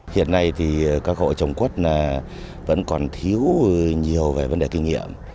hiện nay thì các hộ trồng quất vẫn còn thiếu nhiều về vấn đề kinh nghiệm